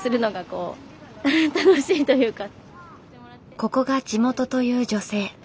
ここが地元という女性。